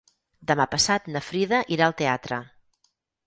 Demà passat na Frida irà al teatre.